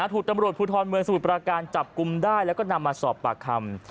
ถูกตำรวจภูทรเมืองสมุทรปราการจับกลุ่มได้แล้วก็นำมาสอบปากคำ